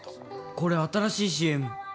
これ、新しいＣＭ？